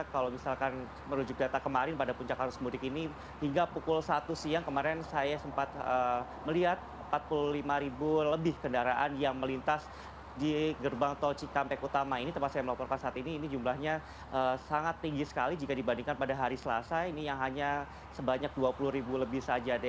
kalau misalkan merujuk data kemarin pada puncak arus mudik ini hingga pukul satu siang kemarin saya sempat melihat empat puluh lima ribu lebih kendaraan yang melintas di gerbang tol cikampek utama ini tempat saya melaporkan saat ini ini jumlahnya sangat tinggi sekali jika dibandingkan pada hari selasa ini yang hanya sebanyak dua puluh ribu lebih saja